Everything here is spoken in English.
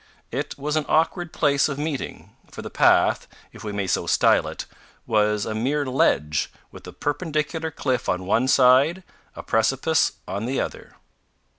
It was an awkward place of meeting, for the path, if we may so style it, was a mere ledge, with a perpendicular cliff on one side, a precipice on the other.